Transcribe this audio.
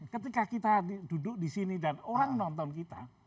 ketika kita duduk di sini dan orang nonton kita